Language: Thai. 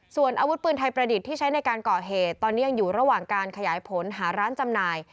ส่วนอาวุธปืนไทยประดิษฐ์ที่ใช้ในการก่อเหตุตอนนี้ยังอยู่ระหว่างการขยายผลหาร้านจำหน่าย